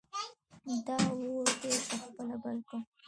دا اور دې په خپله بل کړ!